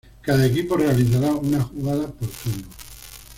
Cada equipo realizará una jugada por turno.